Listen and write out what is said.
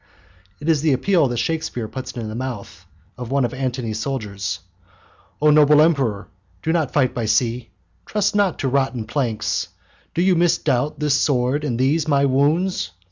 It is the appeal that Shakespeare puts into the mouth of one of Antony's soldiers: "O noble emperor, do not fight by sea; Trust not to rotten planks. Do you misdoubt This sword and these my wounds?